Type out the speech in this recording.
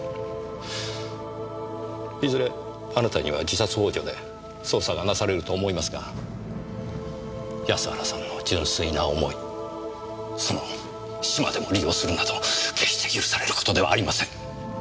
いずれあなたには自殺幇助で捜査がなされると思いますが安原さんの純粋な思いその死までも利用するなど決して許されることではありません！！